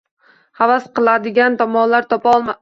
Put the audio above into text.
Havas qiladigan tomonlar topa olaman.